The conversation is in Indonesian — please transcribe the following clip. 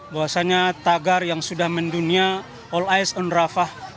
bahwasannya tagar yang sudah mendunia all ice on rafah